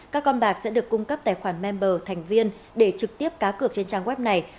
các con bạc sẽ được cung cấp tài khoản member thành viên để trực tiếp cá cược trên trang web này